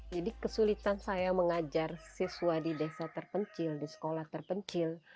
jadi kesulitan saya mengajar siswa di desa terpencil di sekolah terpencil